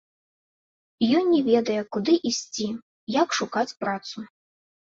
Ён не ведае, куды ісці, як шукаць працу.